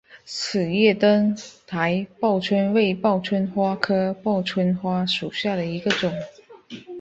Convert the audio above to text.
齿叶灯台报春为报春花科报春花属下的一个种。